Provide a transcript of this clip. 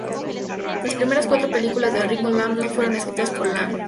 Las primeras cuatro películas de Ringo Lam no fueron escritas por Lam.